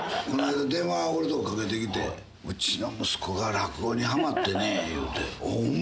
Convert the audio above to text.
この間、電話俺のとこかけてきて、うちの息子が落語にはまってね、言うて、ほんま？